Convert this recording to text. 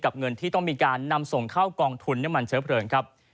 เงินที่ต้องมีการนำส่งเข้ากองทุนน้ำมันเชื้อเพลิงครับ